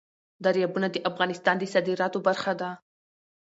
دریابونه د افغانستان د صادراتو برخه ده.